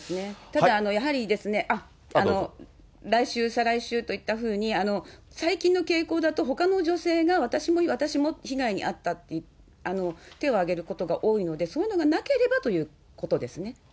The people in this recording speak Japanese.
ただやはり、来週、再来週といったふうに、最近の傾向だとほかの女性が私も、私も被害に遭った、手を上げることが多いので、そういうのがなければということですね。